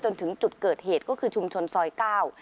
จนถึงจุดเกิดเหตุก็คือชุมชนซอยเก้า